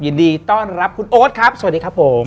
ยินดีต้อนรับคุณโอ๊ตครับสวัสดีครับผม